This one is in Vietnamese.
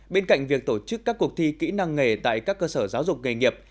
bên cạnh việc tổ chức các cuộc thi kỹ năng nghề tại các cơ sở giáo dục nghề nghiệp